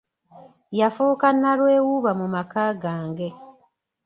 Yafuuka nnalwewuuba mu maka gange.